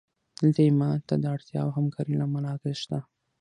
دلته ایمان ته د اړتیا او همکارۍ له امله اغېز شته